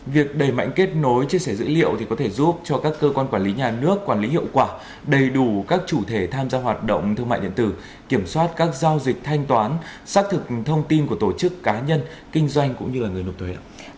việc đẩy mạnh kết nối chia sẻ dữ liệu có thể giúp cho các cơ quan quản lý nhà nước quản lý hiệu quả đầy đủ các chủ thể tham gia hoạt động thương mại điện tử kiểm soát các giao dịch thanh toán xác thực thông tin của tổ chức cá nhân kinh doanh cũng như người nộp thuế ạ